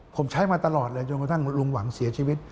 ผมใช้มาตลอดเลยจนกระทั่งลุงหวังเสียชีวิต